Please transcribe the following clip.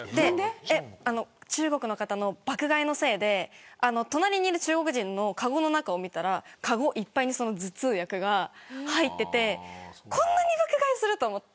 中国の方の爆買いのせいで隣にいる中国人のかごの中を見たらかごいっぱいに頭痛薬が入っていてこんなに爆買いするんだと思って。